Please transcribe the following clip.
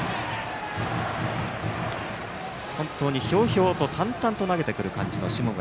本当にひょうひょうと淡々と投げてくる感じの下村。